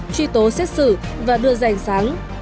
truy tố xét xử và đưa dành sáng